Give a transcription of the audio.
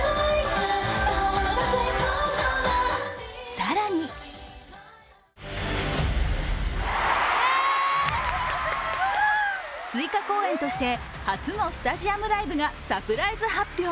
更に追加公演として初のスタジアムライブがサプライズ発表。